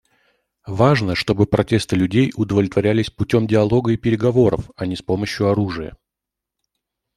Важно, чтобы протесты людей удовлетворялись путем диалога и переговоров, а не с помощью оружия.